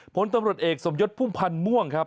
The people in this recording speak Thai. พรตำรวจเอกสมยุทธผู้มพันธ์ม่วงครับ